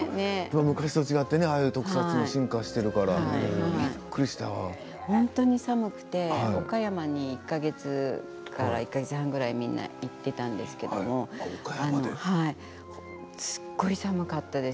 昔と違って特撮も進化しているから本当に寒くて岡山に１か月から１か月半ぐらい行っていていたんですけどすごい寒かったです。